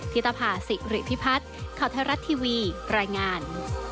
พิตาภาศิริพิพัฒน์เข้าทะลัดทีวีรายงาน